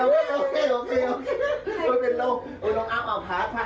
เฮ้ยได้เงินเธอมาฉันก็ซื้อของแทนเธอนะ